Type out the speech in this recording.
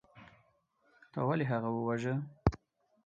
تا ولې هغه وواژه.